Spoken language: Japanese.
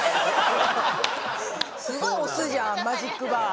すごい推すじゃんマジックバー。